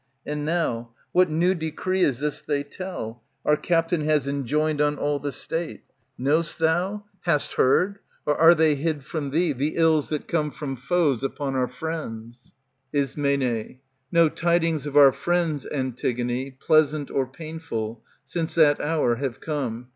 And now, what new decree is this they tell, Our captain has enjoined on all the State ? Know'st thou ? Hast heard ? Or are they hid from thee, The ills that come from foes upon our friends ?^^ Ism, No tidings of our friends, Antigone, Pleasant or painful, since that hour have come.